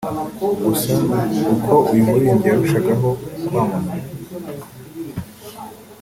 Gusa uko uyu muririmbyi yarushagaho kwamamara